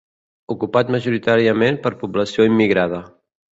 Ocupat majoritàriament per població immigrada.